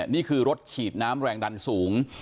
นี่คือรถฉีดน้ำแรงดันสูง